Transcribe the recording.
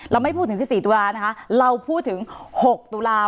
ไม่พูดถึง๑๔ตุลานะคะเราพูดถึง๖ตุลาค